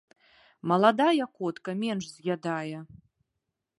Маладая котка менш з'ядае.